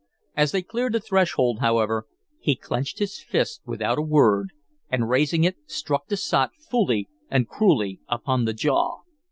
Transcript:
As they cleared the threshold, however, he clenched his fist without a word and, raising it, struck the sot fully and cruelly upon the jaw.